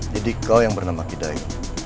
jadi kau yang bernama kidai